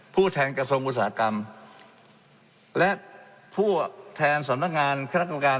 ผู้แทนกระทรวงอุตสาหกรรมและผู้แทนสำนักงานคณะกรรมการ